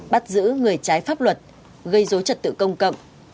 bắt giữ người trái pháp luật gây dối trật tự công cộng